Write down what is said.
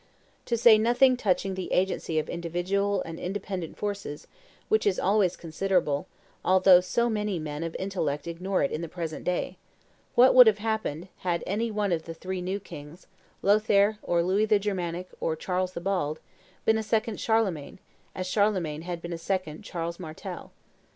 To say nothing touching the agency of individual and independent forces, which is always considerable, although so many men of intellect ignore it in the present day, what would have happened, had any one of the three new kings, Lothaire, or Louis the Germanic, or Charles the Bald, been a second Charlemagne, as Charlemagne had been a second Charles Martel?